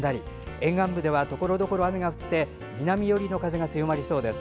沿岸部ではところどころで雨が降って南寄りの風が強まりそうです。